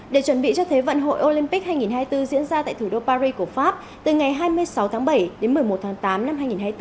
để chuẩn bị cho thế vận hội olympic hai nghìn hai mươi bốn diễn ra tại thủ đô paris của pháp từ ngày hai mươi sáu tháng bảy đến một mươi một tháng tám năm hai nghìn hai mươi bốn